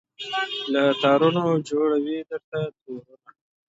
له تارونو جوړوي درته تورونه